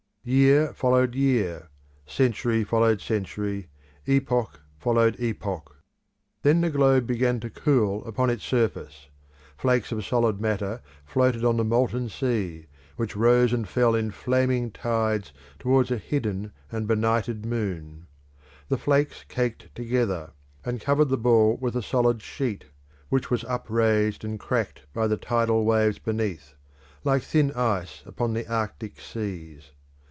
Year followed year, century followed century, epoch followed epoch. Then the globe began to cool upon its surface. Flakes of solid matter floated on the molten sea, which rose and fell in flaming tides towards a hidden and benighted moon. The flakes caked together, and covered the ball with a solid sheet, which was upraised and cracked by the tidal waves beneath, like thin ice upon the Arctic seas.